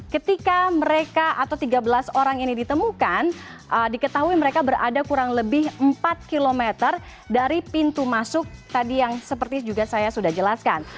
ketika mereka atau tiga belas orang ini ditemukan diketahui mereka berada kurang lebih empat km dari pintu masuk tadi yang seperti juga saya sudah jelaskan